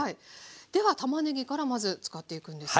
ではたまねぎからまず使っていくんですが。